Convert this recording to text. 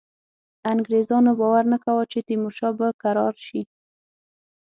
انګرېزانو باور نه کاوه چې تیمورشاه به کرار شي.